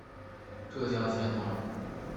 浙江钱塘人。